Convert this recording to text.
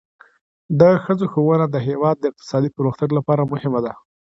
د ښځو ښوونه د هیواد د اقتصادي پرمختګ لپاره مهمه ده.